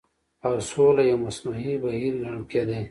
او سوله يو مصنوعي بهير ګڼل کېدی